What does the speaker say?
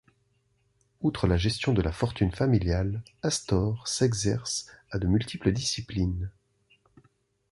Outre la gestion de la fortune familiale, Astor s'exerce à de multiples disciplines.